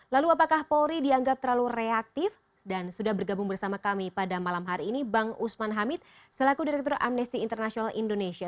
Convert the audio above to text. lalu apakah polri dianggap terlalu reaktif dan sudah bergabung bersama kami pada malam hari ini bang usman hamid selaku direktur amnesty international indonesia